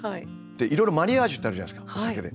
いろいろマリアージュってあるじゃないですかお酒で。